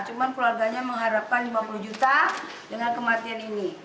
cuma keluarganya mengharapkan lima puluh juta dengan kematian ini